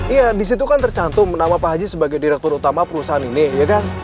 iya disitu kan tercantum nama pak haji sebagai direktur utama perusahaan ini ya kan